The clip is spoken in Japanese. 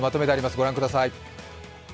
御覧ください。